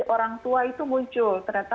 orang tua itu muncul ternyata